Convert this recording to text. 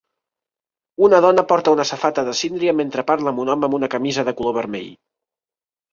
Una dona porta una safata de síndria mentre parla amb un home amb una camisa de color vermell.